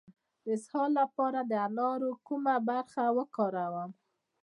د اسهال لپاره د انارو کومه برخه وکاروم؟